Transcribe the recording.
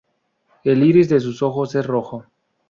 El iris de sus ojos es rojo.